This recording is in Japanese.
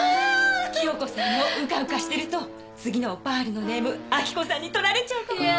清子さんもうかうかしてると次のオパールのネーム明子さんに取られちゃうかもよ！？